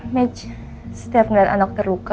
mej setiap ngeliat anak terluka